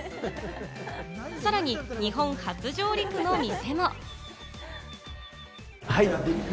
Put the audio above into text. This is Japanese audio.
さらに、日本初上陸の店も。